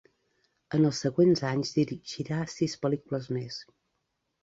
En els següents anys dirigirà sis pel·lícules més.